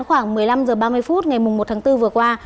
khoảng một mươi năm h ba mươi phút ngày một tháng bốn vừa qua